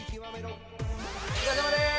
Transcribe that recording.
お疲れさまでーす！